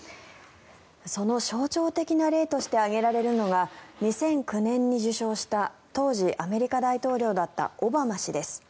その象徴的な例として挙げられるのが２００９年に受賞した当時アメリカ大統領だったオバマ氏です。